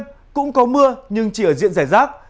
tây nguyên cũng có mưa nhưng chỉ ở diện rẻ rác